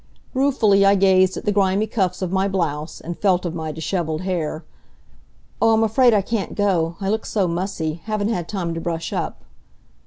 Ruefully I gazed at the grimy cuffs of my blouse, and felt of my dishevelled hair. "Oh, I'm afraid I can't go. I look so mussy. Haven't had time to brush up."